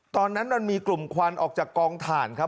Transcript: ตอนนั้นมันมีกลุ่มควันออกจากกองถ่านครับ